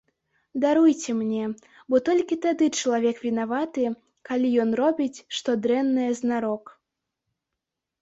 Даруйце мне, бо толькі тады чалавек вінаваты, калі ён робіць што дрэннае знарок.